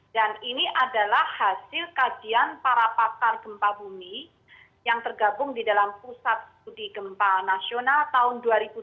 dan ini adalah hasil kajian para pakar gempa bumi yang tergabung di dalam pusat studi gempa nasional tahun dua ribu tujuh belas